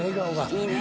いいね。